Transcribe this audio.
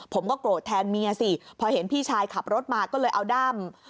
ผมก็โกรธแทนเมียสิพอเห็นพี่ชายขับรถมาก็เลยเอาด้าม